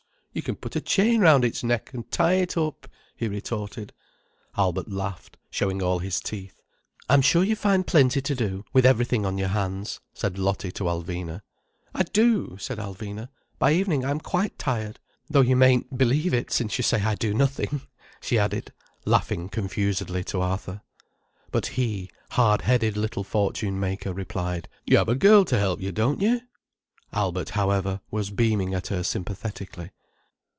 You can put a chain round its neck, and tie it up," he retorted. Albert laughed, showing all his teeth. "I'm sure you find plenty to do, with everything on your hands," said Lottie to Alvina. "I do!" said Alvina. "By evening I'm quite tired—though you mayn't believe it, since you say I do nothing," she added, laughing confusedly to Arthur. But he, hard headed little fortune maker, replied: "You have a girl to help you, don't you!" Albert, however, was beaming at her sympathetically.